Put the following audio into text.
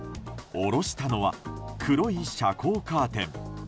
下ろしたのは黒い遮光カーテン。